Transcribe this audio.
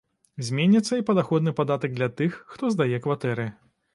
Зменіцца і падаходны падатак для тых, хто здае кватэры.